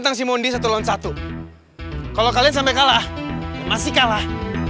kalian santos local two kalau kalian sampai kalah masih kalah